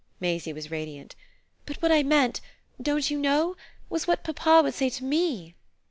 Maisie was radiant. "But what I meant don't you know? was what papa would say to ME."